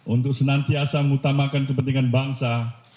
untuk senantiasa mengutamakan kepentingan bangsa